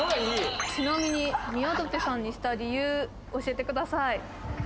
ちなみに宮舘さんにした理由教えてください